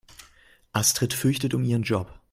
Astrid fürchtet um ihren Job.